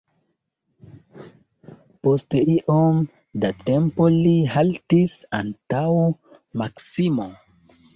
Post iom da tempo li haltis antaŭ Maksimo.